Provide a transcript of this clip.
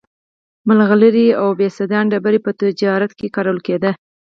مرغلرې او اوبسیدیان ډبرې په تجارت کې کارول کېدې